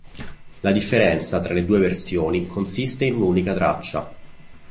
La differenza tra le due versioni consiste in un'unica traccia.